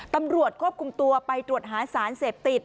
ตำรวจควบคุมตัวไปตรวจหาสารเสพติด